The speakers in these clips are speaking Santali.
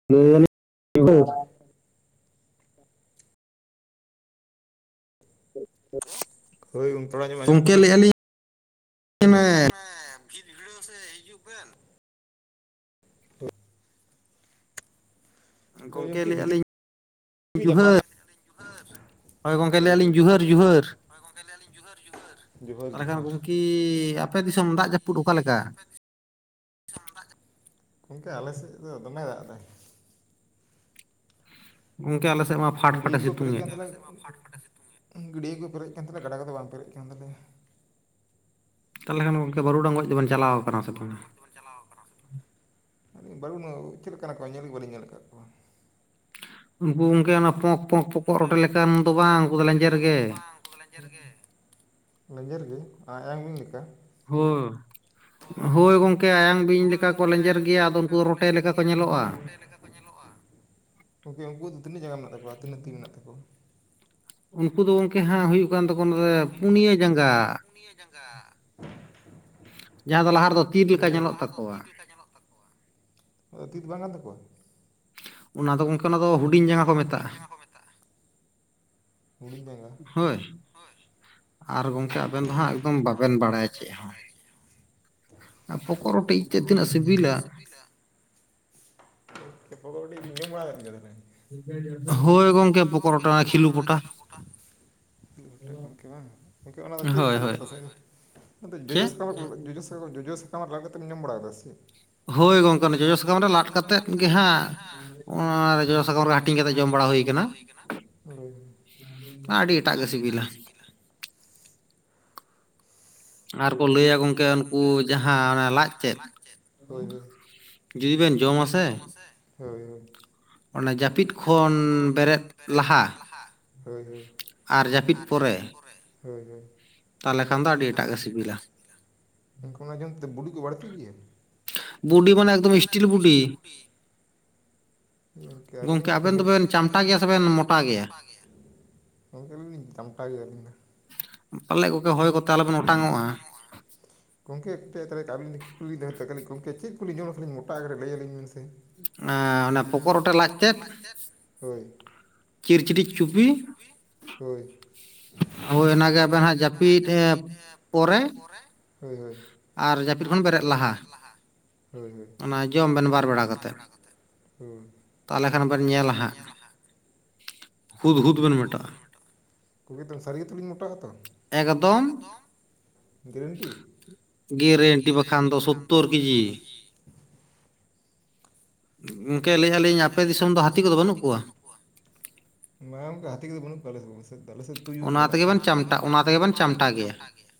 [unintelligible] ᱦᱮᱞᱳ᱾ [inaudible] ᱦᱳᱭ ᱜᱚᱝᱠᱮ [unintelligible] ᱟᱸᱡᱚᱢᱚᱜ ᱠᱟᱱ ᱛᱟᱞᱟᱧᱟ᱾ ᱦᱮᱸ ᱵᱷᱤᱛ ᱵᱷᱤᱲᱟᱹ ᱥᱮ ᱦᱤᱡᱩᱜ ᱵᱮᱱ᱾ [inaudible] ᱜᱚᱢᱠᱮ ᱞᱟᱹᱭᱮᱫᱟᱞᱤᱧ ᱡᱩᱦᱟᱹᱨ᱾ [unintelligible] ᱦᱳᱭ ᱜᱚᱢᱠᱮ ᱞᱟᱹᱭᱮᱫᱞᱤᱧ ᱡᱩᱦᱟᱹᱨ ᱡᱩᱦᱟᱹᱨ᱾ ᱛᱟᱦᱮᱞᱮ ᱠᱷᱟᱱ ᱜᱚᱝᱠᱤ ᱟᱯᱮ ᱫᱤᱥᱚᱢ ᱫᱟᱜ ᱡᱟᱹᱯᱩᱫ ᱚᱠᱟᱞᱮᱠᱟ? ᱜᱚᱝᱠᱮ ᱟᱞᱮ ᱥᱮᱫ ᱫᱚ ᱫᱚᱢᱮᱭ ᱫᱟᱜ ᱮᱫᱟᱭ᱾ ᱜᱚᱱᱠᱮ ᱟᱞᱮ ᱜᱟᱹᱰᱤᱭᱟᱹᱠᱚ ᱯᱮᱨᱮᱡ ᱟᱠᱟᱱ ᱛᱟᱞᱮᱭᱟ᱾ ᱜᱟᱹᱰᱭᱟᱹ ᱠᱚ ᱯᱮᱨᱮᱡ ᱟᱠᱟ ᱛᱟᱞᱮᱭᱟ, ᱜᱟᱰᱟ ᱠᱚᱫᱚ ᱵᱟᱝ ᱯᱮᱨᱮᱡ ᱟᱠᱟᱱ ᱛᱟᱞᱮᱭᱟ᱾ ᱛᱟᱦᱟᱞᱮ ᱠᱷᱟᱱ ᱜᱚᱢᱠᱮ ᱵᱟᱹᱨᱩᱰᱟᱝ ᱜᱚᱡ ᱫᱚᱵᱮᱱ ᱪᱟᱞᱟᱣ ᱟᱠᱟᱱᱟ ᱥᱮ ᱵᱟᱝᱟ? ᱪᱟᱞᱟᱣ ᱟᱠᱟᱱᱟ ᱥᱮ ᱵᱟᱝᱟ? ᱟᱞᱤᱝ ᱵᱟᱹᱨᱩ ᱢᱟ ᱪᱮᱫ ᱞᱮᱠᱟᱱ ᱟᱠᱚ ᱧᱮᱞᱜᱮ ᱵᱟᱹᱞᱤᱧ ᱧᱮᱞ ᱟᱠᱟᱫ ᱠᱚᱣᱟ᱾ ᱩᱱᱠᱩ ᱜᱚᱝᱠᱮ ᱚᱱᱟ ᱯᱚᱸᱠ ᱯᱚᱸᱠ ᱯᱚᱠᱚᱜ ᱨᱚᱴᱮ ᱞᱮᱠᱟᱱ ᱫᱚ ᱵᱟᱝ, ᱩᱱᱠᱩ ᱫᱚ ᱞᱮᱧᱡᱮᱨ ᱜᱮ᱾ ᱞᱮᱸᱡᱮᱨ ᱜᱮ᱾ ᱞᱮᱸᱡᱮᱨ ᱜᱮ ᱟ-ᱟᱟᱭᱟᱝ ᱵᱤᱝ ᱞᱮᱠᱟ᱾ ᱦᱳ ᱦᱳᱭ ᱜᱚᱢᱠᱮ ᱟᱭᱟᱝ ᱦᱳᱭ ᱜᱚᱝᱠᱮ ᱟᱭᱟᱝ ᱵᱤᱧ ᱞᱮᱠᱟ ᱠᱚ ᱞᱮᱸᱡᱮᱨ ᱜᱮᱭᱟ ᱟᱫᱚ ᱩᱱᱠᱩ ᱨᱚᱴᱮ ᱞᱮᱠᱟ ᱠᱚ ᱧᱮᱞᱚᱜᱼᱟ᱾ ᱜᱚᱝᱠᱮ ᱩᱱᱠᱩᱣᱟᱜ ᱫᱚ ᱛᱤᱱᱟᱹᱜ ᱡᱟᱝᱜᱟ ᱢᱮᱱᱟᱜ ᱛᱟᱠᱚᱣᱟ, ᱛᱤᱱᱟᱹᱜ ᱛᱤ ᱢᱮᱱᱟᱜ ᱛᱟᱠᱚᱣᱟ? ᱩᱱᱠᱩ ᱫᱚ ᱜᱚᱢᱠᱮ ᱦᱟᱸᱜ ᱦᱩᱭᱩᱜ ᱠᱟᱱ ᱛᱟᱠᱚᱱᱟ ᱯᱩᱱᱭᱟᱹ ᱡᱟᱸᱜᱟ᱾ ᱯᱩᱱᱤᱭᱟ ᱡᱟᱸᱜᱟ ᱫᱚ ᱞᱟᱦᱟ ᱨᱮᱫᱚ ᱛᱤ ᱞᱮᱠᱟ ᱧᱮᱞᱚᱜ ᱛᱟᱠᱚᱣᱟ᱾ ᱟᱫᱚ ᱛᱤ ᱫᱚ ᱵᱟᱝ ᱠᱟᱱ ᱛᱟᱠᱚᱣᱟ? ᱚᱱᱟ ᱫᱚ ᱜᱚᱢᱠᱮ ᱚᱱᱟ ᱫᱚ ᱦᱩᱰᱤᱧ ᱡᱟᱸᱜᱟ ᱠᱚ ᱢᱮᱛᱟᱜᱼᱟ᱾᱾ ᱦᱩᱰᱤᱝ ᱡᱟᱸᱜᱟ᱾ ᱦᱳᱭ, ᱟᱨ ᱜᱚᱢᱠᱮ ᱟᱵᱮᱱ ᱫᱚ ᱦᱟᱸᱜ ᱮᱠᱫᱚᱢ ᱵᱟᱵᱮᱱ ᱵᱟᱲᱟᱭᱟ ᱪᱮᱫ ᱦᱚᱸ᱾ ᱟᱨ ᱯᱚᱠᱚᱜ ᱨᱚᱴᱮ ᱤᱡᱛᱮᱫ ᱛᱤᱱᱟᱹᱜ ᱥᱤᱵᱤᱞᱟ᱾ [unintelligible] ᱯᱚᱠᱚᱜ ᱨᱚᱴᱮ ᱤᱡ ᱵᱤᱱ ᱡᱚᱢ ᱵᱟᱲᱟ ᱟᱠᱟᱫ ᱜᱮᱭᱟ ᱛᱟᱦᱞᱮ᱾ ᱦᱳᱭ ᱜᱚᱢᱠᱮ ᱯᱚᱠᱚᱜᱨᱚᱴᱮᱱᱟᱜ ᱠᱷᱩᱞᱩᱯᱚᱴᱟ᱾ ᱚᱱᱟ ᱫᱚ ᱪᱮᱫ ᱞᱮᱠᱟ ᱡᱚᱡᱚ ᱥᱟ ᱡᱚᱡ ᱡᱚᱡ ᱥᱟ ᱠᱟᱹᱢᱟᱨ ᱞᱟᱜ ᱛᱮᱢ ᱡᱚᱢ ᱵᱟᱲᱟ ᱠᱟᱫᱟ ᱥᱮ ᱪᱮᱫ? ᱦᱳᱭ ᱜᱚᱢᱠᱮ ᱚᱱᱟ ᱡᱚᱡᱚ ᱥᱟᱠᱟᱢ ᱨᱮ ᱞᱟᱫᱽ ᱠᱟᱛᱮᱫ ᱜᱮ ᱦᱟᱸᱜ ᱚᱱᱟ ᱡᱚᱡᱚ ᱥᱟᱠᱟᱢ ᱨᱮ ᱥᱟᱠᱟᱢ ᱨᱮ ᱦᱟᱹᱴᱤᱧ ᱠᱟᱛᱮᱜ ᱡᱚᱢ ᱵᱟᱲᱟ ᱦᱩᱭ ᱟᱠᱟᱱᱟ᱾ ᱟᱹᱰᱤ ᱮᱴᱟᱜ ᱜᱮ ᱥᱤᱵᱤᱞᱟ᱾ ᱟᱨ ᱠᱚ ᱞᱟᱹᱭᱟ ᱜᱚᱝᱠᱮ ᱩᱱᱠᱩ ᱡᱟᱦᱟᱸ ᱞᱟᱡᱽ ᱛᱮᱫ ᱡᱩᱫᱤ ᱵᱮᱱ ᱡᱚᱢᱟᱥᱮ ᱦᱳᱭ ᱦᱳᱭ ᱾ ᱚᱱᱟ ᱡᱟᱹᱯᱤᱫ ᱠᱷᱚᱱ ᱵᱮᱨᱮᱫ ᱞᱟᱦᱟ, ᱦᱳᱭ ᱦᱳᱭ᱾ ᱟᱨ ᱡᱟᱹᱯᱤᱫ ᱯᱚᱨᱮ᱾ ᱦᱩᱸ ᱦᱩᱸ ᱾ ᱛᱟᱦᱚᱞᱮ ᱠᱷᱟᱱ ᱫᱚ ᱟᱹᱰᱤ ᱮᱴᱟᱜ ᱜᱮ ᱥᱤᱵᱤᱞᱟ᱾ ᱢᱮᱱᱠᱷᱟᱱ ᱚᱱᱟ ᱠᱚ ᱡᱚᱢ ᱛᱮ ᱫᱚ ᱵᱩᱰᱤ ᱠᱚ ᱵᱟᱹᱲᱛᱤᱜ ᱜᱮᱭᱟ? ᱵᱩᱰᱤ ᱢᱟᱱᱮ ᱮᱠᱫᱚᱢ ᱤᱥᱴᱤᱞ ᱵᱩᱰᱤ᱾ ᱦᱩᱸ ᱟᱵᱮᱱ ᱫᱚᱵᱮᱱ ᱪᱟᱢᱴᱟ ᱜᱮᱭᱟ ᱥᱮᱵᱮᱱ ᱢᱚᱴᱟ ᱜᱮᱭᱟ? ᱞᱤᱧ ᱴᱟᱢᱴᱟ ᱜᱮᱭᱟ ᱟᱹᱞᱤᱧ ᱫᱚ ᱾ ᱯᱟᱞᱮᱫ ᱠᱚᱜᱮ ᱦᱚᱭ ᱠᱚᱛᱮ ᱟᱞᱚᱵᱮᱱ ᱚᱴᱟᱝ ᱚᱜᱼᱟ᱾ ᱜᱚᱢᱠᱮ ᱠᱟᱹᱴᱤᱡ ᱛᱮ ᱟᱹᱵᱤᱱ ᱞᱤᱧ ᱠᱩᱠᱞᱤ ᱫᱚᱦᱚᱭᱮᱫᱟ ᱠᱷᱞᱤᱤᱡ ᱜᱚᱢᱠᱮ ᱪᱮᱫ ᱠᱚᱞᱤᱧ ᱡᱚᱢ ᱞᱮ ᱠᱟᱴᱤᱡ ᱢᱚᱴᱟ ᱮᱠ ᱨᱮ ᱞᱟᱹᱭᱟᱞᱤᱧ ᱵᱮ ᱥᱮ? ᱚᱱᱟ ᱯᱚᱠᱚᱜ ᱨᱚᱴᱮ ᱞᱟᱡᱛᱮᱫ, ᱦᱳᱭ ᱪᱤᱨᱪᱤᱴᱤᱡ ᱪᱩᱯᱤ ᱦᱳᱭ, ᱦᱳᱭ ᱚᱱᱟᱜᱮ ᱟᱵᱮᱱ ᱦᱟᱜ ᱡᱟᱹᱯᱤᱫ ᱯᱚᱨᱮ ᱦᱳᱭ ᱦᱳᱭ᱾ ᱟᱨ ᱡᱟᱹᱯᱤᱫ ᱠᱷᱚᱱ ᱵᱮᱨᱮᱫ ᱞᱟᱦᱟ ᱚᱱᱟ ᱡᱚᱢ ᱵᱮᱱ ᱵᱟᱨ ᱵᱮᱲᱟ ᱠᱟᱛᱮᱫ᱾ ᱦᱩᱸ᱾ ᱛᱟᱦᱚᱞᱮ ᱠᱷᱟᱱ ᱵᱮᱱ ᱧᱮᱞᱟ ᱦᱟᱸᱜ ᱠᱷᱩᱫᱽᱦᱩᱫᱽ ᱵᱮᱱ ᱢᱳᱴᱟᱜᱼᱟ᱾ ᱠᱚᱜᱮ ᱫᱚ ᱥᱟᱨᱤ ᱜᱮ ᱛᱚᱞᱤᱧ ᱢᱚᱴᱟᱜ ᱟᱛᱚ? ᱮᱠᱫᱚᱢ᱾ ᱜᱮᱨᱮᱱᱴᱤ ᱵᱟᱠᱷᱟᱱ ᱫᱚ ᱥᱳᱛᱛᱳᱨ ᱠᱮᱡᱤ᱾ ᱜᱤᱢᱠᱮ ᱞᱟᱹᱭᱮᱫ ᱟᱞᱤᱧ ᱟᱯᱮ ᱫᱤᱥᱚᱢ ᱫᱚ ᱦᱟᱹᱛᱤ ᱠᱚᱫᱚ ᱵᱟᱹᱱᱩᱜ ᱠᱚᱣᱟ? ᱵᱟᱝ ᱜᱚᱢᱠᱮ ᱦᱟᱺᱛᱤ ᱠᱚ ᱫᱚ ᱵᱟᱹᱱᱩᱜ ᱠᱚᱣᱟ ᱟᱞᱮ ᱥᱮᱱ ᱫᱚ ᱾ ᱛᱩᱭᱩ ᱠᱚ ᱢᱮᱱᱟᱜᱼᱟ ᱠᱚᱣᱟ᱾ ᱚᱱᱟ ᱛᱮᱜᱮ ᱵᱚᱱ ᱪᱟᱢᱴᱟ ᱚᱱᱟ ᱛᱮᱜᱮᱵᱮᱱ ᱪᱟᱢᱴᱟ ᱜᱮᱭᱟ᱾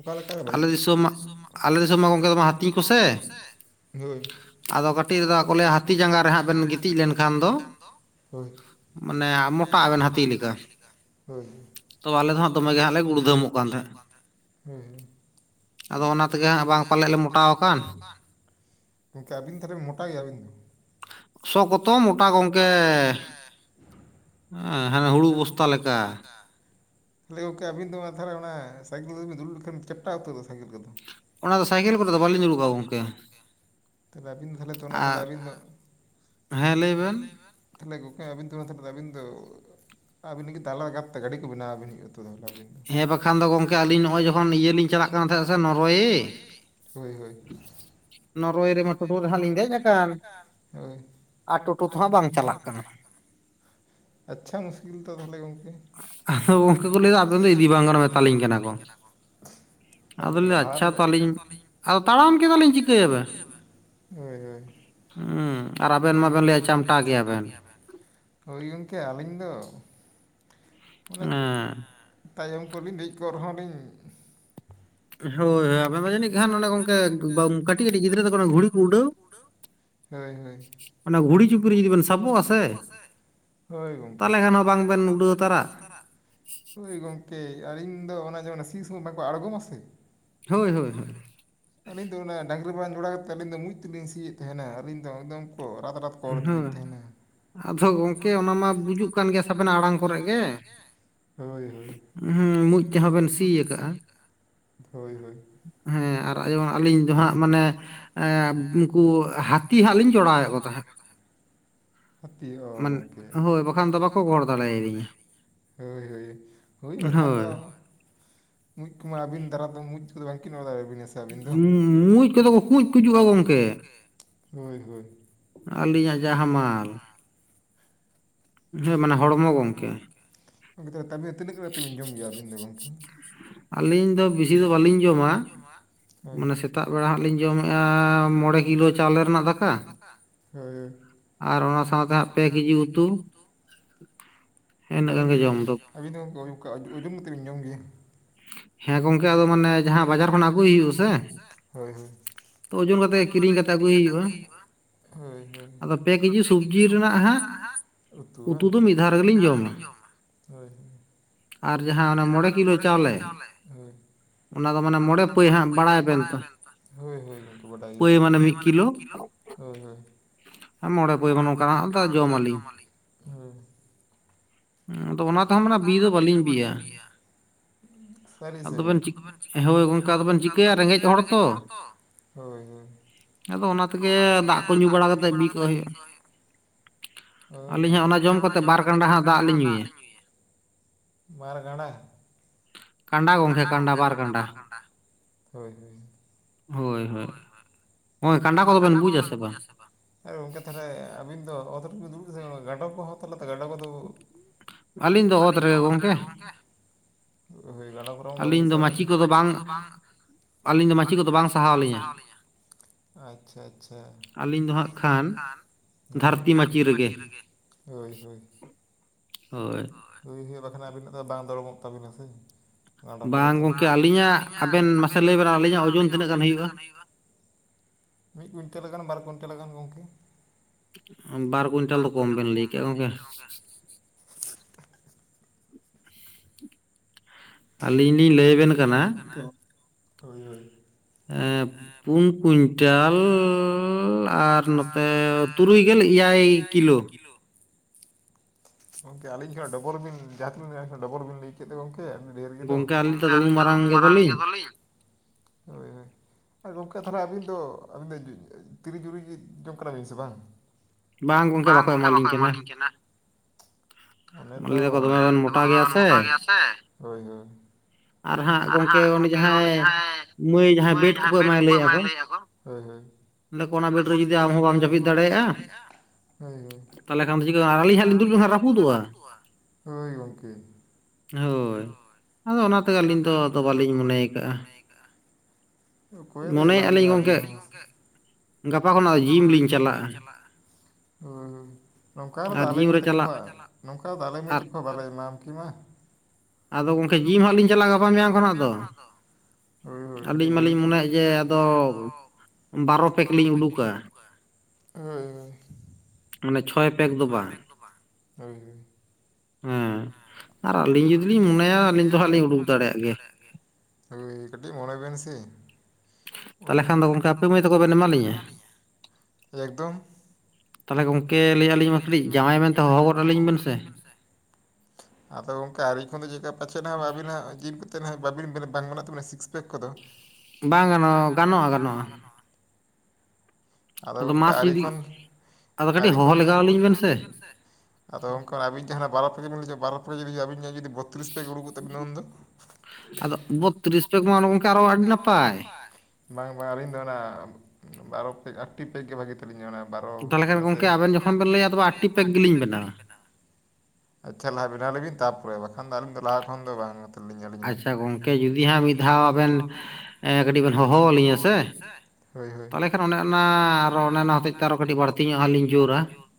ᱚᱠᱟ ᱟᱞᱮ ᱫᱤᱥᱚᱢ ᱟᱞᱮ ᱫᱤᱥᱚᱢ ᱢᱟ ᱜᱚᱢᱠᱮ ᱦᱟᱹᱛᱤ ᱠᱚᱥᱮ ᱦᱩᱸ᱾ ᱟᱫᱚ ᱠᱟᱹᱴᱤᱡ ᱨᱮᱫᱚ ᱠᱚ ᱞᱟᱹᱭᱟ ᱦᱟᱹᱛᱤ ᱡᱟᱸᱜᱟ ᱨᱮ ᱦᱟᱸᱜ ᱵᱮᱱ ᱜᱤᱛᱤᱡ ᱞᱮᱱᱠᱷᱟᱱ ᱫᱚ, ᱢᱟᱱᱮ ᱢᱚᱴᱟᱜ ᱟᱵᱮᱱ ᱦᱟᱹᱛᱤ ᱞᱮᱠᱟ᱾ ᱦᱳᱭ ᱛᱚ ᱟᱞᱮ ᱫᱚ ᱦᱟᱜ ᱫᱚᱢᱮ ᱞᱮ ᱜᱩᱲᱫᱟᱹᱝ ᱚᱜ ᱠᱟᱱ ᱛᱟᱦᱮᱸᱫ᱾ ᱟᱫᱚ ᱚᱱᱟ ᱛᱮᱜᱮ ᱦᱟᱸᱜ ᱵᱟᱝ ᱯᱟᱞᱮᱫ ᱞᱮ ᱢᱚᱴᱟᱣ ᱟᱠᱟᱱ᱾ ᱜᱚᱢᱠᱮ ᱟᱹᱵᱤᱱ ᱛᱟᱦᱚᱞᱮ ᱵᱮᱱ ᱢᱚᱴᱟ ᱜᱮᱭᱟ ᱜᱮᱭᱟᱵᱤᱱ ᱫᱚ? ᱥᱚᱠᱛᱚ ᱢᱚᱴᱟ ᱜᱚᱢᱠᱮ᱾ ᱦᱟᱱᱮ ᱦᱩᱲᱩ ᱵᱚᱥᱛᱟ ᱞᱮᱠᱟ᱾ ᱛᱟᱦᱞᱮ ᱜᱚᱢᱠᱮ ᱟᱵᱤᱱ ᱫᱚ ᱢᱟ ᱛᱟᱦᱚᱞᱮ ᱚᱱᱟ ᱥᱟᱭᱠᱮᱞ ᱠᱚᱨᱮ ᱵᱮᱱ ᱫᱩᱲᱩᱵ ᱞᱮᱠᱷᱟᱱ ᱪᱮᱯᱴᱟ ᱩᱛᱟᱹᱨᱚᱜ ᱫᱚ ᱥᱟᱭᱠᱮᱞ ᱠᱚᱫᱚ᱾ ᱚᱱᱟ ᱫᱚ ᱥᱟᱭᱠᱮᱞ ᱠᱚ ᱨᱮ ᱫᱚ ᱵᱟᱹᱞᱤᱧ ᱫᱩᱲᱩᱵᱚᱜᱼᱟ ᱜᱚᱢᱠᱮ ᱾ᱛᱟᱦᱞᱮ ᱵᱤᱱ ᱛᱟᱦᱞᱮ ᱟᱵᱤᱱ ᱫᱚ? ᱦᱮ ᱞᱟᱹᱭ ᱵᱤᱱ ᱛᱟᱦᱚᱞᱮ ᱜᱚᱢᱠᱮ ᱟᱵᱤᱱ ᱫᱚ ᱛᱟᱦᱮᱞᱮ ᱟᱹᱵᱤᱱ ᱫᱚ ᱟᱹᱵᱤᱱ ᱞᱟᱹᱜᱤᱫ ᱟᱞᱟᱫᱟ ᱛᱮ ᱜᱟᱹᱰᱤ ᱠᱚ ᱵᱮᱱᱟᱣ ᱟᱵᱤᱱ ᱦᱩᱭᱩᱜᱼᱟ᱾ ᱦᱮᱸ ᱵᱟᱠᱷᱟᱱ ᱫᱚ ᱜᱚᱝᱠᱮ ᱟᱹᱞᱤᱧ ᱱᱚᱜᱚᱭ ᱡᱚᱠᱷᱚᱱ ᱤᱭᱟᱹ ᱞᱤᱧ ᱪᱟᱞᱟᱜ ᱠᱟᱱ ᱛᱟᱦᱮᱸᱫ ᱥᱮ ᱱᱚᱨᱳᱭᱮ, ᱦᱳᱭ ᱦᱳᱭ᱾ ᱱᱚᱨᱳᱼᱚᱭᱮ ᱨᱮ ᱱᱮ ᱴᱳᱴᱳ ᱨᱮ ᱦᱟᱸᱜ ᱞᱤᱧ ᱫᱮᱡ ᱮᱱ ᱫᱮᱡ ᱟᱠᱟᱱ ᱦᱳᱭ ᱟᱨ ᱴᱳᱴᱳ ᱛᱚᱦᱟᱸᱜ ᱵᱟᱝ ᱪᱟᱞᱟᱜ ᱠᱟᱱᱟ᱾ ᱟᱪᱪᱷᱟ ᱢᱩᱥᱠᱤᱞ ᱛᱚ ᱛᱟᱦᱚᱞᱮ ᱜᱚᱢᱠᱮ ᱟᱫᱚ ᱚᱱᱠᱟ ᱠᱚ ᱞᱟᱹᱭᱟ ᱟᱹᱵᱤᱱ ᱫᱚ ᱤᱫᱤ ᱵᱟᱝ ᱜᱟᱱ ᱢᱮᱛᱟᱞᱤᱧ ᱠᱟᱱᱟ ᱠᱚ᱾ ᱟᱫᱚᱞᱤᱧ ᱞᱟᱹᱭᱮᱜᱼᱟ ᱟᱪᱪᱷᱟ ᱛᱟᱦᱞᱤᱧ ᱟᱫ ᱛᱟᱲᱟᱢ ᱠᱮᱫᱟ ᱞᱤᱧ ᱪᱤᱠᱟᱹᱭᱟᱵᱮᱱ ᱦᱳᱭ ᱦᱳᱭ ᱟᱵᱤᱱ ᱢᱟᱵᱮᱱ ᱞᱟᱹᱭᱮᱜᱼᱟ ᱪᱟᱢᱴᱟ ᱜᱮᱜᱟ ᱵᱮᱱ ᱦᱳᱭ ᱜᱚᱝᱠᱮ ᱟᱹᱞᱤᱧ ᱫᱚ ᱢᱟᱱᱮ ᱦᱮᱸ ᱛᱟᱭᱚᱢ ᱠᱚᱵᱤᱧ ᱫᱮᱡ ᱠᱚᱜ ᱨᱚᱦᱚᱸ ᱞᱤᱧ ᱦᱳᱭ ᱟᱵᱮᱱ ᱫᱚ ᱡᱟᱹᱱᱤᱡ ᱠᱷᱟᱱ ᱱᱚᱰᱮ ᱜᱚᱝᱠᱮ ᱵᱟᱢ ᱠᱟᱹᱴᱤᱡ ᱠᱟᱹᱴᱤᱡ ᱜᱤᱫᱽᱨᱟᱹ ᱠᱚᱫᱚ ᱚᱱᱮ ᱜᱷᱩᱲᱤ ᱠᱚ ᱩᱰᱟᱹᱣ ᱦᱳᱭ ᱦᱳᱭ ᱚᱱᱟ ᱜᱷᱩᱲᱤ ᱪᱩᱯᱤᱨᱮ ᱡᱩᱫᱤ ᱵᱤᱱ ᱥᱟᱵᱚᱜ ᱟᱥᱮ ᱦᱳᱭ ᱜᱚᱝᱠᱮ ᱛᱟᱦᱞᱮ ᱠᱷᱟᱱ ᱦᱚᱸ ᱵᱟᱝᱵᱮᱱ ᱩᱰᱟᱹᱣ ᱛᱟᱨᱟᱜ ᱳᱭ ᱜᱚᱝᱠᱮ ᱟᱹᱞᱤᱧ ᱫᱚ ᱚᱱᱟ ᱡᱮ ᱚᱱᱮ ᱥᱤ ᱥᱩᱢᱚᱭ ᱵᱟᱠᱚ ᱟᱲᱜᱚᱢᱟᱥᱮ ᱦᱳᱭ ᱦᱳᱭ ᱦᱳᱭ ᱟᱹᱞᱤᱧ ᱫᱚ ᱚᱱᱟ ᱰᱟᱝᱨᱤ ᱵᱟᱝ ᱡᱚᱲᱟᱣ ᱠᱟᱛᱮᱫ ᱟᱹᱞᱤᱧ ᱫᱚ ᱢᱩᱸᱡ ᱛᱮᱞᱤᱧ ᱥᱤᱭᱮᱫ ᱛᱟᱦᱮᱱᱟ ᱟᱹᱞᱤᱧ ᱫᱚ ᱮᱠᱫᱚᱢ ᱠᱚ ᱨᱟᱫ ᱨᱟᱫ ᱠᱚ ᱚᱨ ᱤᱫᱤᱞᱤᱧ ᱛᱟᱦᱮᱱᱟ᱾ ᱟᱫᱚ ᱜᱚᱝᱠᱮ ᱚᱱᱟ ᱢᱟ ᱵᱩᱡᱩᱜ ᱠᱟᱱ ᱜᱮᱭᱟ ᱥᱮ ᱟᱵᱮᱱᱟᱜ ᱟᱲᱟᱝ ᱠᱚᱨᱮᱜ ᱜᱮ᱾ ᱦᱳᱭ ᱦᱳ ᱦᱩᱸ ᱢᱩᱸᱡ ᱛᱮᱦᱚᱸᱵᱤᱱ ᱥᱤ ᱟᱠᱟᱜᱼᱟ ᱦᱳᱭ ᱦᱳᱭ ᱮᱸ ᱟᱨ ᱡᱮᱼᱚᱱ ᱟᱹᱞᱤᱧ ᱫᱚ ᱦᱟᱸᱜ ᱢᱟᱱᱮ ᱮᱸ ᱩᱱᱠᱩ ᱦᱟᱹᱛᱤ ᱦᱟᱸᱜ ᱞᱤᱧ ᱪᱚᱲᱟᱣᱮᱫ ᱠᱚ ᱛᱟᱦᱮᱫ, ᱦᱟᱛᱤ ᱚ ᱜᱚᱝᱠᱮ ᱦᱳᱭ ᱵᱟᱠᱷᱟᱱ ᱫᱚ ᱵᱟᱠᱚ ᱜᱚᱦᱚᱲ ᱫᱟᱲᱮ ᱟᱹᱞᱤᱧᱟ᱾ ᱦᱳᱭ ᱦᱳᱭ ᱦᱩᱭ ᱵᱟᱠᱷᱟᱱ ᱫᱚ᱾ ᱢᱩᱸᱡ ᱠᱚᱢᱟ ᱟᱹᱵᱤᱱ ᱫᱟᱨᱟ ᱫᱚ ᱢᱩᱸᱡ ᱠᱚᱫᱚ ᱵᱟᱝᱠᱤᱱ ᱚᱨ ᱫᱟᱲᱮᱭᱟᱵᱤᱱᱟ ᱥᱮ ᱢᱩᱸᱡ ᱠᱚᱫᱚ ᱠᱚ ᱠᱩᱡ ᱠᱩᱡᱩᱜᱼᱟ ᱜᱚᱝᱠᱮ ᱟᱹᱞᱤᱧᱟᱜ ᱡᱟ ᱦᱟᱢᱟᱞ᱾ ᱦᱮᱸ ᱢᱟᱱᱮ ᱦᱚᱲᱢᱚ ᱜᱚᱝᱠᱮ᱾ ᱩᱱᱤ ᱫᱚ ᱛᱟᱦᱱᱮ ᱛᱤᱱᱟᱹᱜ ᱠᱟᱛᱮ ᱵᱤᱱ ᱡᱚᱢ ᱜᱮᱭᱟ ᱟᱹᱵᱤᱱ ᱫᱚ ᱜᱚᱝᱠᱮ? ᱟᱹᱞᱤᱧ ᱫᱚ ᱵᱤᱥᱤ ᱫᱚ ᱵᱟᱹᱞᱤᱧ ᱡᱚᱢᱟ᱾ ᱚᱱᱮ ᱥᱮᱛᱟᱜ ᱵᱮᱲᱟ ᱦᱟᱸᱜ ᱞᱤᱧ ᱡᱚᱢᱮᱜᱼᱟ ᱢᱚᱬᱮ ᱠᱤᱞᱳ ᱪᱟᱣᱞᱮ ᱨᱮᱱᱟᱜ ᱫᱟᱠᱟ᱾ ᱦᱩᱸ ᱟᱨ ᱚᱱᱟ ᱥᱟᱶᱛᱮ ᱦᱟᱸᱜ ᱯᱮ ᱠᱮᱡᱤ ᱩᱛᱩ ᱤᱱᱟᱹ ᱜᱟᱱ ᱜᱮ ᱡᱚᱢ ᱫᱚ᱾ ᱟᱵᱤᱱ ᱫᱚ [unintelligible] ᱚᱱᱠᱟ ᱩᱡᱩᱱ ᱟᱛᱮᱜ ᱵᱤᱱ ᱡᱚᱢ ᱜᱮᱭᱟ ᱦᱮᱸ ᱜᱚᱝᱠᱮ ᱟᱫᱚ ᱢᱟᱱᱮ ᱡᱟᱦᱟᱸ ᱵᱟᱡᱟᱨ ᱠᱷᱚᱱᱟᱜ ᱟᱹᱜᱩᱭ ᱦᱩᱭᱩᱜ ᱟᱥᱮ ᱦᱳᱭ ᱦᱳᱭ ᱳᱡᱚᱱ ᱠᱟᱛᱮᱜ ᱠᱤᱨᱤᱧ ᱠᱟᱛᱮᱜ ᱟᱹᱜᱩᱭ ᱦᱩᱭᱩᱜᱼᱟ᱾ ᱦᱳᱭ ᱦᱳᱭ ᱟᱫᱚ ᱯᱮ ᱠᱮᱡᱤ ᱥᱩᱵᱡᱤ ᱨᱮᱱᱟᱜ ᱦᱟᱜ ᱩᱛᱩ ᱵᱟᱝ ᱢᱤᱫ ᱫᱷᱟᱣ ᱨᱮᱜᱮᱞᱤᱧ ᱡᱚᱢᱟ, ᱦᱳᱭ ᱦᱳᱭ ᱟᱨ ᱡᱟᱦᱟᱸ ᱚᱱᱮ ᱢᱚᱬᱮ ᱠᱤᱞᱳ ᱪᱟᱣᱞᱮ ᱚᱱᱟ ᱫᱚ ᱢᱟᱱᱮ ᱢᱚᱬᱮ ᱯᱟᱹᱭ ᱦᱟᱸᱜ ᱵᱟᱲᱟᱭ ᱟᱵᱮᱱ ᱛᱚ ᱦᱳᱭ ᱦᱳᱭ ᱜᱚᱝᱠᱮ ᱵᱟᱰᱟᱭ ᱜᱮᱭᱟᱞᱤᱧ ᱯᱟᱹᱭ ᱢᱟᱱᱮ ᱢᱤᱫ ᱠᱤᱞᱳ ᱦᱳᱭ ᱦᱳᱭ, ᱢᱚᱬᱮ ᱯᱟᱹᱭ ᱢᱟ ᱱᱚᱝᱠᱟ ᱦᱟᱜ ᱛᱚ ᱡᱚᱢᱟᱞᱤᱧ᱾ ᱟᱫᱚ ᱛᱮᱦᱚᱸ ᱢᱟᱱᱮ ᱵᱤᱫᱚ ᱵᱟᱹᱞᱤᱧ ᱵᱤᱜᱼᱟ᱾ ᱥᱟᱨᱤ ᱥᱮ ᱜᱚᱝᱠᱮ ᱛᱚᱵᱮᱱ ᱪᱤᱠ ᱦᱳᱭ ᱜᱚᱝᱠᱮ ᱟᱫᱚᱵᱮᱱ ᱪᱤᱠᱟᱹᱭᱟ ᱨᱮᱸᱜᱮᱡ ᱦᱚᱲ ᱛᱚ ᱦᱚᱭ ᱦᱚᱭ, ᱟᱫᱚ ᱚᱱᱟ ᱛᱮᱜᱮ ᱫᱟᱜ ᱠᱚ ᱧᱩ ᱵᱟᱲᱟ ᱠᱟᱛᱮᱜ ᱵᱤ ᱠᱚᱜ ᱦᱩᱭᱩᱜᱼᱟ᱾ ᱦᱚᱭ ᱜᱚᱝᱠᱮ ᱟᱹᱞᱤᱧ ᱦᱚᱸ ᱚᱱᱟ ᱡᱚᱢ ᱠᱟᱛᱮ ᱵᱟᱨ ᱠᱷᱟᱱᱰᱟ ᱦᱟᱸᱜ ᱫᱟᱜ ᱞᱤᱧ ᱧᱩᱭᱟ, ᱵᱟᱨ ᱜᱟᱸᱰᱟ? ᱠᱟᱸᱰᱟ ᱜᱚᱝᱠᱮ ᱠᱟᱸᱰᱟ ᱵᱟᱨ ᱠᱟᱸᱰᱟ᱾ ᱦᱳᱭ ᱦᱳᱭ ᱠᱟᱸᱰᱟ ᱠᱚᱫᱚ ᱵᱮᱱ ᱵᱩᱡ ᱟᱥᱮ ᱵᱟᱝ? ᱟᱨ ᱜᱚᱢᱠᱮ ᱛᱟᱦᱚᱞᱮ ᱟᱵᱤᱱ ᱫᱚ ᱚᱛ ᱨᱮ ᱵᱤᱱ ᱫᱩᱲᱩᱵᱟ, ᱥᱮ ᱜᱟᱰᱳ ᱠᱚᱦᱚ ᱛᱟᱦᱞᱮ ᱛᱚ ᱜᱟᱰᱟ ᱠᱚᱫᱚ ᱟᱹᱞᱤᱧ ᱫᱚ ᱚᱛ ᱨᱮᱜᱮ ᱜᱚᱢᱠᱮ᱾ ᱜᱟᱰᱟ ᱠᱚᱨᱮ ᱦᱚ ᱵᱟᱵᱤᱱ, ᱟᱞᱤᱧ ᱫᱚ ᱢᱟᱪᱤ ᱠᱚᱫᱚ ᱵᱟᱝ᱾ ᱟᱹᱞᱤᱧ ᱫᱚ ᱢᱟᱹᱪᱷᱤ ᱠᱚᱫᱚ ᱵᱟᱝ ᱥᱟᱦᱟᱣ ᱟᱹᱞᱤᱧᱟ᱾ ᱟᱪᱪᱷᱟ ᱟᱪᱪᱷᱟ, ᱟᱹᱞᱤᱧ ᱫᱚ ᱦᱟᱸᱜ ᱠᱷᱟᱱ ᱫᱷᱟᱹᱨᱛᱤ ᱢᱟᱹᱪᱤ ᱨᱮᱜᱮ, ᱦᱳᱭ ᱦᱳᱭ᱾ ᱦᱳᱭ᱾ ᱦᱩᱭ ᱦᱩᱭ ᱵᱟᱠᱷᱟᱱ ᱟᱹᱵᱤᱱᱟᱜ ᱫᱚ ᱵᱟᱝ ᱫᱚᱲᱚᱢᱚᱜ ᱛᱟᱵᱤᱱᱟ ᱥᱮ᱾ ᱚᱱᱟ ᱫᱚ ᱯᱚᱨᱮᱛᱮ, ᱵᱟᱝ ᱜᱚᱝᱠᱮ ᱟᱹᱞᱤᱧᱟᱜ ᱟᱵᱮᱱ ᱢᱟᱥᱮ ᱢᱟᱥᱮ ᱞᱟᱹᱭ ᱵᱮᱱ ᱟᱹᱞᱤᱧᱟᱜ ᱳᱡᱚᱱ ᱛᱤᱱᱟᱹᱜ ᱜᱟᱱ ᱦᱩᱭᱩᱜᱼᱟ? ᱢᱤᱫ ᱠᱩᱭᱱᱴᱮᱞ ᱜᱟᱱ, ᱵᱟᱨ ᱠᱩᱭᱱᱴᱮᱞ ᱜᱟᱱ ᱜᱚᱝᱠᱮ᱾ ᱵᱟᱨ ᱠᱩᱭᱤᱱᱴᱟᱞ ᱫᱚ ᱠᱚᱢ ᱵᱮᱱ ᱞᱟᱹᱭ ᱠᱮᱜᱼᱟ ᱜᱚᱝᱠᱮ᱾ [inaudible] ᱟᱹᱞᱤᱧ ᱞᱤᱧ ᱞᱟᱹᱭ ᱟᱵᱮᱱ ᱠᱟᱱᱟ ᱦᱳᱭ, ᱦᱳᱭ᱾ ᱯᱩᱱ ᱠᱩᱭᱤᱱᱴᱟᱞᱻ ᱟᱨ ᱱᱚᱛᱮ ᱛᱩᱨᱩᱭ ᱜᱮᱞ ᱮᱭᱟᱭ ᱠᱤᱞᱳ᱾ ᱜᱚᱝᱠᱮ ᱟᱹᱞᱤᱧ ᱠᱷᱱᱟᱜ ᱰᱚᱵᱚᱞ ᱵᱤᱱ ᱡᱟᱦᱟᱸ [unintelligible] ᱰᱚᱵᱚᱞ ᱵᱤᱱ ᱞᱟᱹᱭ ᱠᱮᱫ ᱫᱚ ᱜᱚᱝᱠᱮ ᱰᱷᱮᱨ ᱜᱮᱫᱚ᱾ ᱜᱚᱝᱠᱮ ᱟᱞᱤᱧ ᱛᱚ ᱩᱱ ᱢᱟᱨᱟᱝ ᱜᱮᱫᱚ ᱞᱤᱧ ᱾ᱦᱚᱭ ᱦᱚᱭ᱾ ᱟᱨ ᱜᱚᱝᱠᱮ ᱛᱟᱦᱚᱞᱮ ᱟᱹᱵᱤᱱ ᱫᱚ, ᱟᱹᱵᱤᱱ ᱫᱚ ᱛᱤᱨᱤ ᱡᱩᱨᱤ ᱡᱚᱝ ᱠᱟᱱᱟ ᱵᱤᱱ ᱥᱮ ᱵᱟᱝ? ᱵᱟᱝ ᱜᱚᱝᱠᱮ ᱵᱟᱠᱚ ᱮᱢᱟᱞᱤᱧ ᱠᱟᱱᱟ᱾ ᱞᱟᱹᱭ ᱫᱟᱠᱚ ᱫᱚᱢᱮ ᱵᱮᱱ ᱢᱚᱴᱟ ᱜᱮᱭᱟ ᱥᱮ, ᱦᱳᱭ ᱦᱳᱭ᱾ ᱟᱨ ᱦᱟᱸᱜ ᱜᱚᱝᱠᱮ ᱩᱱᱤ ᱡᱟᱦᱟᱸᱭ ᱢᱟᱹᱭ ᱡᱟᱦᱟᱸᱭ ᱵᱮᱰ ᱠᱚᱠᱚ ᱮᱢᱟᱭ ᱞᱟᱹᱭᱮᱜ-ᱟ ᱠᱚ, ᱦᱚᱭ, ᱦᱚᱭ ᱢᱮᱱᱟᱠᱚ ᱵᱮᱴ ᱨᱮ ᱡᱩᱫᱤ ᱵᱟᱢ ᱡᱟᱯᱤᱫ ᱫᱟᱲᱮᱭᱟᱜᱼᱟ, ᱦᱚᱭ ᱦᱚᱭ᱾ ᱛᱟᱦᱮᱞᱮ ᱠᱷᱟᱱ ᱪᱤᱠᱟᱹ ᱟᱹᱞᱤᱧ [unintelligible] ᱞᱮᱱᱠᱷᱟᱱ ᱨᱟᱹᱯᱩᱫᱚᱜᱼᱟ, ᱦᱳᱭ ᱜᱚᱝᱠᱮ᱾ ᱦᱳᱭ ᱟᱫᱚ ᱚᱱᱟ ᱛᱮᱜᱮ ᱟᱹᱞᱤᱧ ᱟᱹᱞᱤᱧ ᱟᱞᱤᱧ ᱫᱚ ᱵᱟᱞᱤᱧ ᱢᱚᱱᱮ ᱟᱠᱟᱜᱼᱟ, ᱚᱠᱚᱭ ᱫᱚᱭ ᱮᱢᱟ ᱵᱤᱱᱟ ᱟᱹᱵᱤᱱ ᱦᱚ᱾ ᱜᱟᱯᱟ ᱠᱷᱚᱱᱟᱜ ᱡᱤᱢ ᱞᱤᱧ ᱪᱟᱞᱟᱜᱼᱟ᱾ ᱦᱩᱸᱻ ᱱᱚᱝᱠᱟ ᱨᱮᱫᱚ ᱟᱞᱮ ᱢᱟᱸᱭ ᱛᱟᱠᱚ, ᱱᱚᱝᱠᱟ ᱨᱮᱫᱚ ᱟᱞᱮ ᱢᱟᱹᱭ ᱛᱮᱠᱚ ᱦᱚ ᱵᱟᱞᱮ ᱮᱢᱟᱢ ᱠᱤᱢᱟ᱾ ᱟᱫᱚ ᱜᱚᱝᱠᱮ ᱡᱤᱢ ᱦᱟᱜ ᱞᱤᱧ ᱪᱟᱞᱟᱜ ᱜᱟᱯᱟ ᱢᱮᱭᱟᱝ ᱠᱷᱚᱱᱟᱜ ᱫᱚ᱾ ᱟᱹᱞᱤᱧ ᱢᱟᱞᱤᱧ ᱢᱚᱱᱮᱭᱮᱫ ᱡᱮ ᱟᱫᱚ ᱵᱟᱨᱚ ᱯᱮᱠ ᱞᱤᱧ ᱩᱰᱩᱠᱟ ᱦᱮᱸ᱾ ᱢᱟᱱᱮ ᱪᱷᱚᱭ ᱯᱮᱠ ᱫᱚ ᱵᱟᱝ᱾ ᱦᱮᱸ ᱟᱨ ᱟᱹᱞᱤᱧ ᱡᱩᱫᱤ ᱞᱤᱧ ᱢᱚᱱᱮᱭᱟ ᱟᱹᱞᱤᱧ ᱫᱚ ᱦᱟᱸᱜ ᱞᱤᱧ ᱩᱰᱩᱠ ᱫᱟᱲᱮᱭᱟᱜ ᱜᱮ᱾ ᱦᱚᱭ ᱠᱟᱹᱴᱤᱡ ᱢᱚᱱᱮ ᱵᱮᱱ ᱥᱮ᱾ ᱛᱟᱦᱚᱞᱮ ᱠᱷᱟᱱ ᱫᱚ ᱜᱚᱝᱠᱮ ᱟᱯᱮ ᱢᱟᱹᱭ ᱛᱟᱠᱚ ᱵᱮᱱ ᱮᱢᱟᱞᱤᱧᱟ? ᱮᱠᱫᱚᱢ᱾ ᱛᱟᱦᱚᱞᱮ ᱜᱚᱝᱠᱮ ᱞᱟᱹᱭᱮᱜ-ᱟ ᱢᱟ ᱠᱟᱴᱤᱡ ᱡᱟᱶᱟᱭ ᱢᱮᱱᱛᱮ ᱦᱚᱦᱚ ᱜᱚᱫ ᱟᱹᱞᱤᱧ ᱵᱮᱱ ᱥᱮ᱾ ᱟᱫᱚ ᱜᱚᱝᱠᱮ ᱟᱹᱣᱨᱤ ᱠᱷᱚᱱ ᱫᱚ ᱪᱮᱫᱠᱟ, ᱯᱟᱪᱮᱫ ᱱᱟ ᱟᱹᱵᱤᱱ ᱦᱟᱜ ᱡᱤᱢ ᱠᱚᱛᱮᱫ ᱵᱟᱵᱤᱱ ᱵᱟᱝ ᱵᱮᱱᱟᱜ ᱛᱟᱵᱤᱱᱟ ᱥᱤᱠᱥ ᱯᱮᱠ ᱠᱚᱫᱚ᱾ ᱵᱟᱝ ᱜᱟᱱᱚᱜᱼᱟ, ᱜᱟᱱᱚᱜᱼᱟ ᱜᱟᱱᱚᱜᱼᱟ᱾ ᱟᱫᱚ ᱜᱚᱝᱠᱮ ᱟᱹᱨᱤ ᱠᱷᱚᱱ- ᱟᱹᱨᱤ ᱠᱷᱚᱱ ᱫᱚ, ᱦᱚᱦᱚ ᱞᱮᱜᱟᱣ ᱟᱞᱤᱧ ᱵᱮᱱ ᱥᱮ᱾ ᱟᱫᱚ ᱜᱟᱝᱠᱮ ᱟᱹᱵᱤᱱ ᱡᱟᱦᱟᱸᱱᱟᱜ ᱵᱟᱨᱚ [unintelligible] ᱵᱟᱨᱚ [unintelligible] ᱡᱩᱫᱤ ᱟᱹᱵᱤᱱ ᱧᱚᱜ ᱵᱚᱛᱨᱤᱥ ᱯᱮᱠ ᱩᱰᱩᱠᱚᱜ ᱛᱟᱵᱤᱱᱟ ᱩᱱᱫᱚ? ᱟᱫᱚ ᱵᱚᱛᱨᱤᱥ ᱯᱮᱠ ᱢᱟ ᱜᱚᱝᱠᱮ ᱟᱨᱚ ᱟᱹᱰᱤ ᱱᱟᱯᱟᱭ᱾ ᱵᱟᱝ ᱵᱟᱝ ᱟᱹᱞᱤᱧ ᱫᱚ ᱚᱱᱟ, ᱵᱟᱨᱚ ᱯᱮᱠ, ᱟᱴᱴᱤ ᱯᱮᱠ ᱜᱮ ᱵᱷᱟᱜᱤ ᱵᱟᱨᱚ, ᱜᱚᱢᱠᱮ ᱟᱵᱮᱱ ᱡᱚᱠᱷᱚᱱ ᱵᱮᱱ ᱞᱟᱹᱭᱟ ᱟᱴᱴᱤ ᱯᱮᱠ ᱜᱮᱞᱤᱧ ᱵᱮᱱᱟᱣᱟ᱾ ᱟᱪᱪᱷᱟ ᱞᱟᱦᱟ ᱵᱮᱱᱟ ᱞᱮᱵᱤᱱ ᱛᱟᱯᱚᱨᱮ, ᱵᱟᱠᱷᱟᱱ ᱫᱚ ᱟᱹᱞᱤᱧ ᱫᱚ ᱞᱟᱦᱟ ᱠᱷᱚᱱ ᱫᱚ ᱵᱟᱝ᱾ [unintelligible] ᱟᱪᱪᱷᱟ ᱜᱚᱝᱠᱮ ᱡᱩᱫᱤ ᱦᱟᱸᱜ ᱢᱤᱫ ᱫᱷᱟᱣ ᱟᱵᱮᱱ ᱠᱟᱹᱴᱤᱡ ᱵᱮᱱ ᱦᱚᱦᱚᱣᱟᱞᱤᱧᱟ ᱥᱮ ᱦᱳᱭ ᱦᱳᱭ ᱢᱟᱱ ᱚᱱᱟ ᱟᱨᱚ ᱚᱱᱮ ᱚᱱᱟ ᱦᱚᱛᱮᱡ ᱛᱮ ᱟᱨᱚ ᱠᱟᱹᱴᱤᱡ ᱵᱟᱹᱲᱛᱤ ᱧᱚᱜ-ᱟ ᱞᱤᱧ ᱡᱳᱨᱟ ᱦᱩᱭ ᱴ ᱦᱩᱸᱭ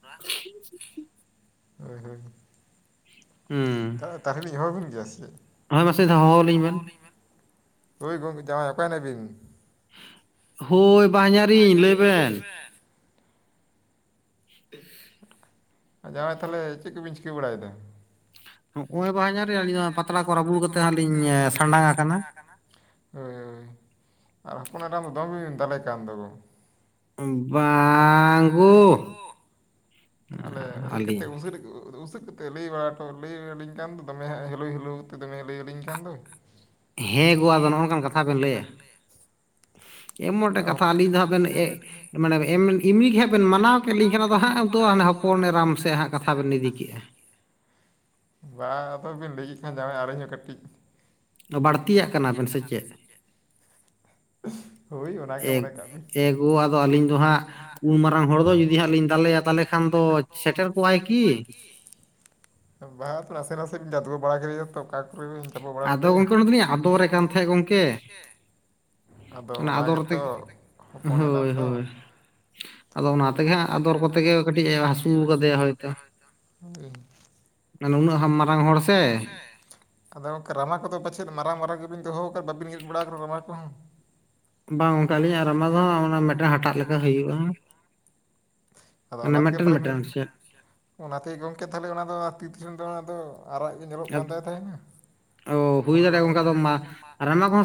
ᱛᱚ ᱛᱟᱦᱟᱞᱮ ᱞᱤᱧ ᱦᱚᱦᱚ ᱟᱵᱤᱱ ᱜᱮᱭᱟ ᱥᱮ ᱪᱮᱫ ᱦᱮ ᱢᱟᱥᱮ ᱦᱚᱦᱚ ᱟᱹᱞᱤᱧ ᱵᱮᱱ ᱦᱳᱭ ᱜᱚᱝᱠᱮ ᱡᱟᱶᱟᱭ ᱚᱠᱭ ᱱᱵᱤᱱ ᱦᱳᱭ ᱵᱟᱦᱚᱧᱦᱟᱨᱤᱧ ᱞᱟᱹᱭᱵᱮᱱ ᱦᱮᱸ ᱡᱟᱢᱟᱭ ᱛᱟᱦᱞᱮ ᱪᱮᱫ ᱠᱚᱵᱤᱱ ᱪᱤᱠᱟᱹ ᱵᱟᱲᱟᱭᱮᱫᱟ? ᱚᱠᱚᱭ ᱵᱟᱭ ᱦᱚᱭ ᱵᱟᱦᱟᱧᱷᱟᱨᱤᱧ ᱟᱹᱞᱤᱧ ᱫᱚ ᱯᱟᱛᱲᱟ ᱠᱚ ᱨᱟᱹᱯᱩᱫ ᱠᱟᱛᱮᱫ ᱦᱟᱸᱜ ᱞᱤᱧ ᱥᱟᱰᱟᱝ ᱟᱠᱟᱱᱟ ᱦᱳᱭ ᱦᱳᱭ ᱟᱨ ᱦᱚᱯᱚᱱ ᱮᱨᱟ ᱫᱚ ᱫᱚᱢᱮ ᱫᱟᱞᱮ ᱠᱟᱱ ᱫᱚ ᱜᱳ? ᱵᱟᱝ ᱦᱳ ᱛᱟᱦᱚᱞᱮ ᱦᱮᱡ ᱠᱟᱛᱮᱫ ᱩᱥᱟ. ᱩᱥᱟᱫ ᱛᱮ ᱞᱟᱹᱭ ᱵᱟᱲᱟ ᱴᱚ ᱞᱟᱹᱭ ᱟᱹᱞᱤᱧ ᱠᱟᱱ ᱫᱚ ᱫᱚᱢᱮ ᱦᱟᱜ ᱦᱤᱞᱳ ᱦᱤᱞᱳ ᱟᱛᱮ ᱫᱚᱢᱮ ᱞᱟᱹᱭ ᱟᱹᱞᱤᱧ ᱠᱟᱱ ᱫᱚ ᱦᱮᱸ ᱜᱳ ᱟᱫᱚ ᱱᱚᱜ-ᱚ ᱱᱚᱝᱠᱟᱱ ᱠᱟᱛᱷᱟ ᱵᱮᱱ ᱞᱟᱹᱭᱟ [inaudible] ᱮᱢᱚᱱ ᱴᱮᱜᱮ ᱠᱟᱛᱷᱟ ᱟᱹᱞᱤᱧ ᱫᱚ ᱦᱟᱸᱜ ᱵᱮᱱ ᱮᱜ ᱢᱟᱱᱮ ᱮᱢᱱᱤ ᱜᱮ ᱦᱟᱸᱜ ᱵᱮᱱ ᱢᱟᱱᱟᱣ ᱠᱮᱫ ᱞᱤᱧ ᱠᱟᱱᱟ ᱫᱚ ᱦᱟᱸᱜ ᱛᱚ ᱦᱟᱱᱮ ᱦᱚᱯᱚᱱ ᱮᱨᱟᱢ ᱥᱮᱫ ᱦᱟᱸᱜ ᱠᱟᱛᱷᱟ ᱵᱮᱱ ᱤᱫᱤ ᱠᱮᱜ-ᱟ ᱵᱟᱝ ᱟᱫᱚ ᱵᱤᱱ ᱞᱟᱹᱭᱮᱫ ᱠᱷᱟᱱ ᱡᱟᱶᱟᱭ ᱟᱹᱞᱤᱧᱦᱚᱸ ᱠᱟᱹᱴᱤᱡ ᱞᱤᱧ ᱵᱟᱹᱲᱛᱤᱭᱟᱜ ᱠᱟᱱᱟᱵᱮᱱ ᱥᱮ ᱪᱮᱫ? ᱦᱳᱭ ᱚᱱᱟᱜᱮ ᱢᱚᱱᱮ ᱠᱟᱜ ᱵᱤᱱ ᱮᱜᱳ ᱟᱹᱞᱤᱧ ᱫᱚ ᱦᱟᱸᱜ ᱩᱱ ᱢᱟᱨᱟᱝ ᱦᱚᱲ ᱫᱚ ᱡᱩᱫᱤ ᱦᱟᱜ ᱞᱤᱧ ᱫᱟᱞᱮᱭᱟ ᱛᱟᱦᱚᱞᱮ ᱠᱷᱟᱱ ᱫᱚ ᱥᱮᱴᱮᱨ ᱠᱚᱜᱟᱭ ᱠᱤ? ᱵᱟ ᱛᱚ ᱱᱟᱥᱮ ᱱᱟᱥᱮᱤᱧ ᱡᱟᱫᱜᱳ ᱵᱟᱲᱟ ᱠᱮᱫᱮᱭᱮᱤᱧ ᱛᱚ ᱚᱠᱟ ᱟᱵᱤᱱ ᱵᱤᱱ ᱪᱟᱯᱳ ᱵᱟᱲᱟ ᱞᱮᱫᱮᱭᱟ ᱟᱫᱚ ᱜᱳᱝᱠᱮ ᱚᱱᱟ ᱫᱚ ᱞᱤᱧ ᱟᱫᱚᱨᱮ ᱠᱟᱱ ᱛᱟᱦᱮᱸᱱ-ᱟ ᱜᱚᱝᱠᱮ ᱟᱫᱚ ᱚᱱᱟ ᱜᱮᱛᱚ ᱦᱚᱯᱚᱱ ᱮᱨᱟᱢ ᱫᱚ ᱟᱫᱚ ᱚᱱᱟ ᱛᱮᱜᱮ ᱦᱟᱜ ᱟᱫᱚᱨ ᱠᱚᱛᱮ ᱜᱮ ᱠᱟᱹᱴᱤᱡ ᱮ ᱦᱟᱹᱥᱩ ᱠᱟᱫᱮᱭᱟ ᱦᱳᱭᱛᱳ ᱱᱩᱱᱟᱜ ᱦᱟᱢᱟ ᱢᱟᱨᱟᱝ ᱦᱚᱲ ᱥᱮ ᱟᱫᱚ ᱜᱚᱝᱠᱮ ᱨᱟᱢᱟ ᱠᱚᱦᱚ ᱯᱟᱪᱮᱫ ᱢᱟᱨᱟᱝ ᱢᱟᱨᱟᱝ ᱜᱮᱵᱤᱱ ᱫᱚᱦᱚ ᱟᱠᱟᱫ ᱵᱟᱹᱵᱤᱱ ᱜᱮᱫ ᱵᱟᱲᱟᱣ ᱟᱠᱟᱱ ᱨᱟᱢᱟ ᱠᱚᱦᱚᱸ ᱵᱟᱝ ᱜᱚᱝᱠᱮ ᱞᱤᱧᱟᱜ ᱟᱨᱢᱟ ᱫᱚᱦᱟᱜ ᱢᱤᱫᱴᱮᱱ ᱦᱟᱴᱟᱜ ᱞᱮᱠᱟ ᱦᱩᱭᱩᱜ-ᱟ ᱟᱫᱚ ᱚᱱᱟ ᱛᱮᱜᱮ ᱯᱟᱞᱮᱱ [inaudible] ᱚᱱᱟᱛᱮ ᱜᱳᱝᱠᱮ ᱛᱟᱦᱚᱞᱮ ᱚᱱᱟ ᱫᱚ ᱛᱤ ᱨᱮᱱ ᱫᱚ ᱚᱱᱟ ᱫᱚ ᱟᱨᱟᱜ ᱜᱮ ᱧᱮᱞᱚᱜ ᱠᱟᱱ ᱛᱟᱭ ᱛᱟᱦᱮᱱᱟ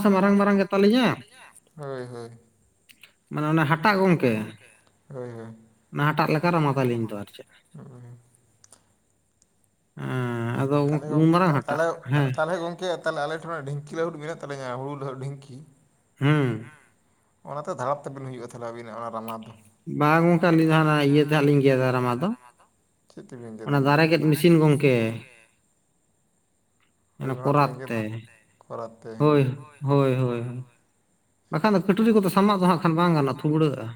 ᱨᱟᱢᱟ ᱠᱚ ᱦᱚᱸ ᱥᱮ ᱢᱟᱨᱟᱝ ᱢᱟᱨᱟᱝ ᱜᱮᱛᱟᱞᱤᱧᱟ ᱦᱳᱭ ᱦᱳᱭ ᱟᱨ ᱚᱱᱟ ᱦᱟᱴᱟᱜ ᱜᱚᱝᱠᱮ ᱦᱳᱭ ᱦᱳᱭ ᱚᱱᱟ ᱦᱟᱴᱟᱜ ᱞᱮᱠᱟ ᱨᱟᱢᱟ ᱛᱟᱞᱤᱧ ᱛᱟᱦᱚᱞᱮ ᱛᱟᱦᱮ ᱛᱟᱦᱚᱞᱮ ᱜᱚᱝ ᱠᱮ ᱛᱟᱦᱚᱞᱮ ᱟᱞᱮ ᱴᱷᱮᱱ ᱢᱟ ᱰᱷᱤᱝᱠᱤ ᱞᱟᱣᱩᱴ ᱢᱮᱱᱟᱜ ᱛᱟᱞᱤᱧᱟ ᱦᱩᱲᱩ ᱞᱟ. ᱦᱩᱫ ᱰᱷᱤᱝᱤ ᱦᱩ ᱚᱱᱟᱛᱮ ᱫᱷᱟᱲᱟᱯ ᱛᱟᱵᱮᱱ ᱦᱩᱭᱩᱜ-ᱟ ᱛᱟᱦᱚᱞᱮ ᱟᱹᱵᱤᱱᱟᱜ ᱚᱱᱟ ᱨᱟᱢᱟ ᱫᱚ ᱵᱟᱝ ᱜᱳᱝᱠᱮ ᱟᱞᱤᱧ ᱫᱚ ᱚᱱᱟ ᱤᱭᱟᱹ ᱛᱮᱞᱮᱧ ᱜᱮᱫᱟ ᱨᱟᱢᱟ ᱫᱚ ᱪᱮᱫ ᱛᱮᱵᱤᱱ ᱜᱮᱫᱟ ᱜᱚᱜ ᱚᱱᱟ ᱫᱟᱨᱮ ᱜᱮᱫ ᱢᱮᱥᱤᱱ ᱛᱮ ᱛᱤᱠᱤᱱ ᱜᱚᱝᱠᱮ ᱚᱱᱟ ᱠᱚᱨᱟᱛ ᱛᱮ ᱦᱭ ᱦᱳᱭ ᱦᱳᱭ ᱵᱟᱠᱷᱟᱱ ᱫᱚ ᱠᱟᱹᱴᱟᱹᱨᱤ ᱠᱚᱫᱚ ᱥᱟᱢᱟᱜ ᱫᱚ ᱦᱟᱸᱜ ᱠᱷᱟᱱ ᱵᱟᱝ ᱜᱟᱱᱚᱜ ᱛᱩᱵᱲᱟᱹᱜ-ᱟ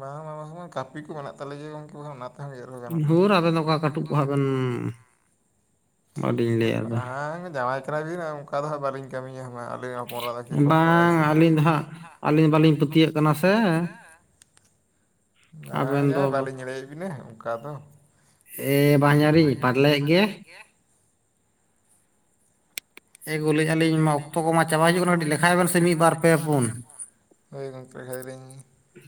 ᱵᱟᱝ ᱵᱟᱝ ᱵᱟᱝ ᱠᱟᱹᱯᱤ ᱠᱚ ᱢᱮᱱᱟᱜ ᱛᱟᱞᱮᱭᱟ ᱜᱚᱝᱠᱮ ᱚᱱᱟ ᱦᱩᱨ ᱟᱵᱤᱱ ᱫᱚ ᱚᱠᱟ ᱠᱟᱹᱴᱩᱵ ᱠᱚᱦᱟᱸ ᱵᱮᱱ ᱵᱟᱝ ᱡᱟᱶᱟᱭ ᱠᱟᱱᱟᱵᱤᱱ ᱚᱱᱠᱟ ᱫᱚ ᱦᱟᱸᱜ ᱵᱟᱹᱞᱤᱧ ᱠᱟᱹᱢᱤᱭᱟ ᱢᱟ ᱟᱹᱞᱤᱦᱚ ᱦᱚᱯᱚᱱ ᱮᱨᱟᱧ ᱜᱮ ᱠᱚᱥᱴᱚᱜ ᱟᱭ ᱥᱮ ᱵᱟᱝ ᱟᱹᱞᱤᱧ ᱦᱟᱸᱜ ᱟᱞᱤᱧ ᱵᱟᱞᱤᱧ ᱯᱟᱹᱛᱭᱟᱹ ᱠᱟᱱᱟ ᱥᱮ, ᱵᱟᱝ ᱦᱟᱸ ᱵᱟᱹᱞᱤᱧ ᱮᱲᱟᱹᱭᱮᱫ ᱵᱮᱤᱱᱟ ᱚᱝᱠᱟ ᱫᱚ ᱾ ᱮ ᱵᱟᱧᱦᱟᱨᱤᱧ ᱯᱟᱞᱮᱫ ᱜᱮ, [inaudible] ᱦᱳᱭ ᱜᱚᱢᱠᱮ ᱦᱟᱹᱭ ᱦᱟᱹᱨᱤᱧ,